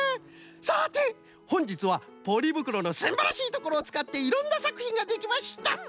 さてほんじつはポリぶくろのすんばらしいところをつかっていろんなさくひんができました！